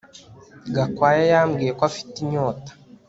Gakwaya yambwiye ko afite inyota